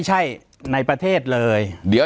ปากกับภาคภูมิ